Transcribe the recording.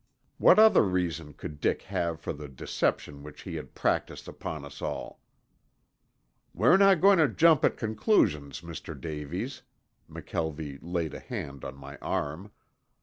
What other reason could Dick have for the deception which he had practised upon us all? "We're not going to jump at conclusions, Mr. Davies." McKelvie laid a hand on my arm.